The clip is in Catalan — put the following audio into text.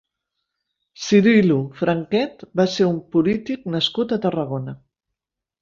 Cirilo Franquet va ser un polític nascut a Tarragona.